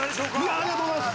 ありがとうございます。